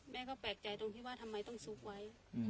แม่ก็แปลกใจตรงที่ว่าทำไมต้องซุกไว้